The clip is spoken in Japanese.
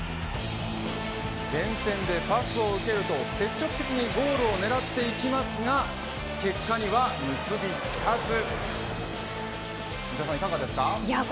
前線でパスを受けると積極的にゴールを狙っていきますが結果には結びつかず。